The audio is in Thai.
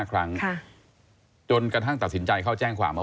ครั้งจนกระทั่งตัดสินใจเข้าแจ้งความว่า